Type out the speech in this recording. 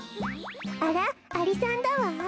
あらアリさんだわ。